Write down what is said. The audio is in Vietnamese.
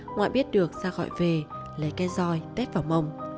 ngoại biết được ra gọi về lấy cái roi tét vào mông